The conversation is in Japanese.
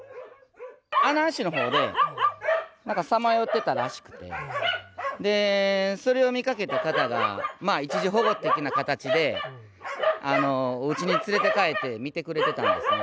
阿南市のほうでなんかさまよってたらしくて、それを見かけた方が、一時保護的な形で、おうちに連れて帰って見てくれてたんですね。